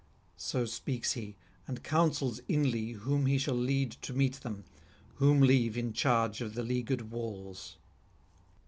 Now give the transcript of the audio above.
...' So speaks he, and counsels inly whom he shall lead to meet them, whom leave in charge of the leaguered walls.